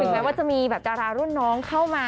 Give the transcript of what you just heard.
พูดไหมว่าดุลาร่าน้องเข้ามา